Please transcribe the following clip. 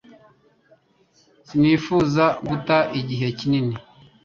Sinifuzaga guta igihe kinini